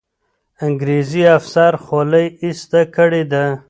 انګریزي افسر خولۍ ایسته کړې ده.